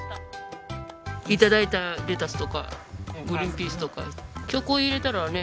頂いたレタスとかグリーンピースとか曲を入れたらね。